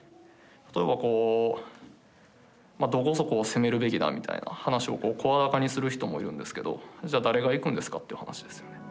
例えばこうどこそこを攻めるべきだみたいな話を声高にする人もいるんですけど「じゃあ誰が行くんですか」という話ですよね。